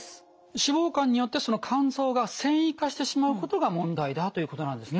脂肪肝によってその肝臓が線維化してしまうことが問題だということなんですね。